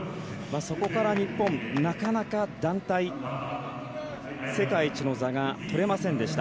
そこから日本、なかなか団体世界一の座が取れませんでした。